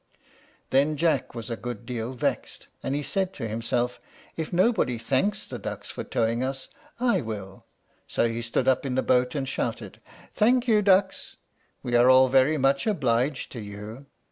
Then Jack was a good deal vexed, and he said to himself, "If nobody thanks the ducks for towing us I will"; so he stood up in the boat and shouted, "Thank you, ducks; we are very much obliged to you!"